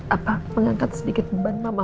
apa mengangkat sedikit beban mama